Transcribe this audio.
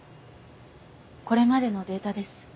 これまでのデータです